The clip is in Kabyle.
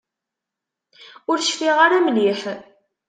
Ur cfiɣ ara mliḥ.